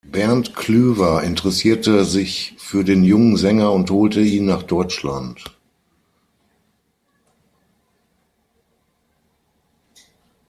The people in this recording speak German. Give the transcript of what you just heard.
Bernd Clüver interessierte sich für den jungen Sänger und holte ihn nach Deutschland.